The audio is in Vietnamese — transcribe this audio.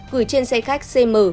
gửi trên xe khách cm